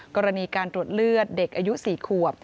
กรณีการตรวจเลือดเด็กอายุ๔ขวบ